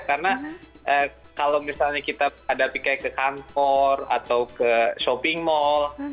karena kalau misalnya kita berhadapi kayak ke kantor atau ke shopping mall